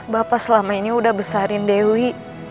bapak selama ini udah besarin dewi